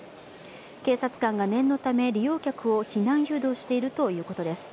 警察官が念のため利用客を避難誘導しているということです。